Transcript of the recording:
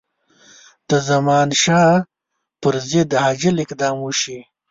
د زمانشاه پر ضد عاجل اقدام وشي.